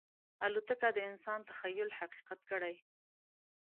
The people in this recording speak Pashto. الوتکه د انسان تخیل حقیقت کړی.